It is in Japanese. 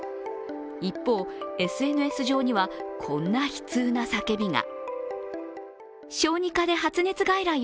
一方、ＳＮＳ上にはこんな悲痛な叫びが。